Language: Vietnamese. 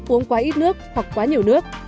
uống quá ít nước hoặc quá nhiều nước